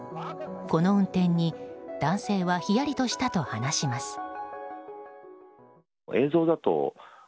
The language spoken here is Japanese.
この運転に男性はひやりとしたと話します。